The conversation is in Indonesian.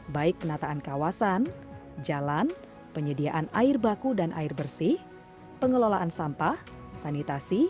baik penataan kawasan jalan penyediaan air baku dan air bersih pengelolaan sampah sanitasi